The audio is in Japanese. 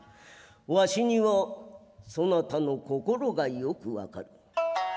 儂にはそなたの心がよく分かる」。